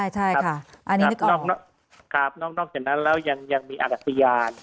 ใช่ค่ะอันนี้นึกออกครับนอกจากนั้นแล้วยังมีอักษริยาน